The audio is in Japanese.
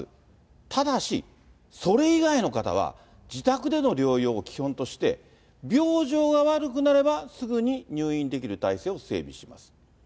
ただし、それ以外のは、自宅での療養を基本として、病状が悪くなればすぐに入院できる体制を整備します。